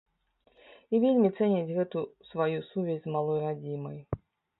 І вельмі цэняць гэту сваю сувязь з малой радзімай.